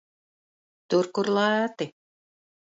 Tur, kur lēti.